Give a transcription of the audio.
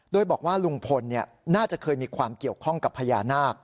โดยบอกว่าลุงพลน่าจะเคยมีความเกี่ยวข้องกับพญานาค